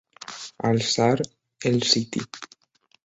Alçar el siti.